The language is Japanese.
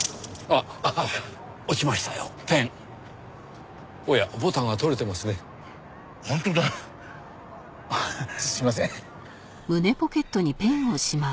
あっすいません。